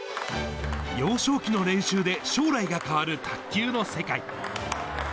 幼少期の練習で将来が変わる卓球の世界。